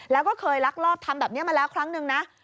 แล้วก็เคยลักลอบทำแบบนี้มาแล้วครั้งนึงนะ